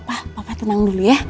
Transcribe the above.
papa tenang dulu ya